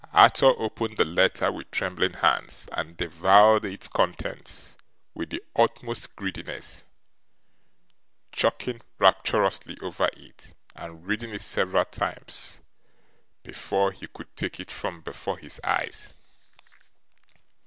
Arthur opened the letter with trembling hands, and devoured its contents with the utmost greediness; chuckling rapturously over it, and reading it several times, before he could take it from before his eyes.